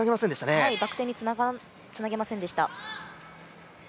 バク転につなげませんでした。